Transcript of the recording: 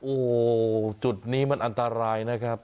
โอ้โหจุดนี้มันอันตรายนะครับ